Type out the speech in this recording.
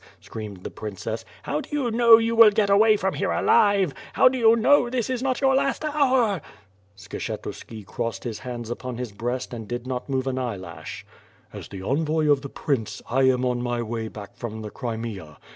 screamed the princess. '"How do you know you will get away from here alive? How do you know this is not your last hour?" Skshetnski crossed his hands upon his breast and did not move an eyelash. "As the envoy of the prince, I am on my way back from the Crimea.